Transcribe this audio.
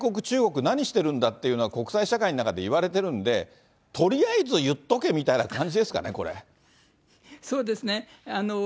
中国何してるんだっていうのは、国際社会の中でいわれてるんで、とりあえず言っとけみたいな感じですかね、そうですね。